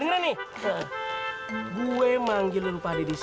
ini gue manggi lu pakas